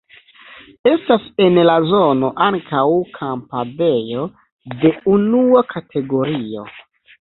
Estas en la zono ankaŭ kampadejo de unua kategorio.